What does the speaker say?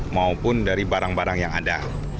maupun dari barang barang yang ada